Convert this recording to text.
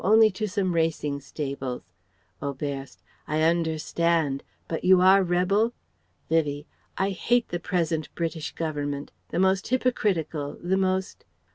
Only to some racing stables..." Oberst: "I understand. But you are rebel?" Vivie: "I hate the present British Government the most hypocritical, the most..."